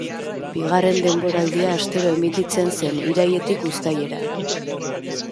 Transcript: Bigarren denboraldia astero emititzen zen, irailetik uztailera.